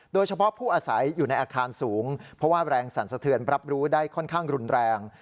โดยเฉพาะผู้อาศัยอยู่ในอาคารสูงเพราะว่าแรงสั่นสะเทือนรับรู้ได้ค่อนข้างรุนแรง